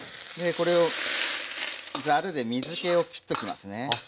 これをざるで水けをきっときますね。